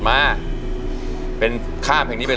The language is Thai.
ฟังแทนเนี่ย